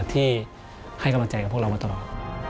ที่ให้กำลังใจกับพวกเรามาตลอด